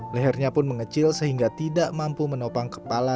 lehernya pun mengecil sehingga tidak mampu menopang kepala